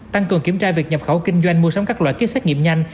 tăng cường kiểm tra việc nhập khẩu kinh doanh mua sắm các loại kit xét nghiệm nhanh